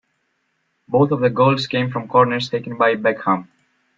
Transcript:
Both of the goals came from corners taken by Beckham.